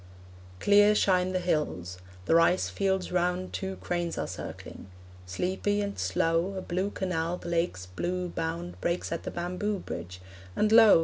Clear shine the hills; the rice fields round Two cranes are circling; sleepy and slow, A blue canal the lake's blue bound Breaks at the bamboo bridge; and lo!